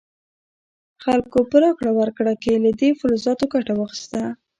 خلکو په راکړه ورکړه کې له دې فلزاتو ګټه واخیسته.